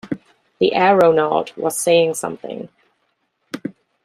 The aeronaut was saying something.